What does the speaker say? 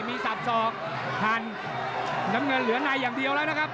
มีสับสอกหั่นน้ำเงินเหลือในอย่างเดียวแล้วนะครับ